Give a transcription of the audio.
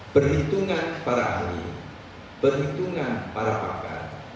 perhitungan para ahli perhitungan para pakar